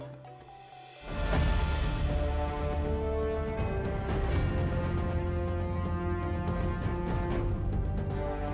kelapa dari mana